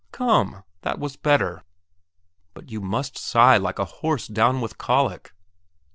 Come, that was better! But you must sigh like a horse down with the colic.